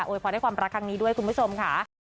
พรให้ความรักครั้งนี้ด้วยคุณผู้ชมค่ะ